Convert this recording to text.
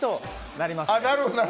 なるほど。